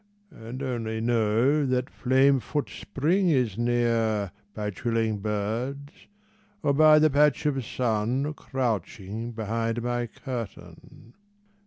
And only know that flame foot Spring is near By trilling birds, or by the patch of sun Crouching behind my curtain.